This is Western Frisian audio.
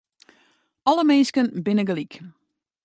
Alle minsken binne gelyk.